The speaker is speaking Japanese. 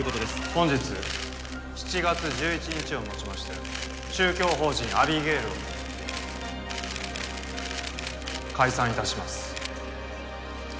「本日７月１１日をもちまして宗教法人アビゲイルを解散致します」